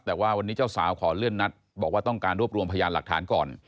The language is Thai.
แต่ว่าวันนี้เจ้าสาวขอเลื่อนนัดบอกว่าต้องการรวบรวมพยานหลักฐานก่อน